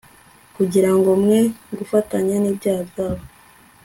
kugira ngo mwe gufatanya nibyaha byawo